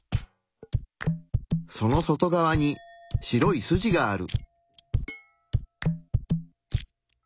その外側に白い筋がある。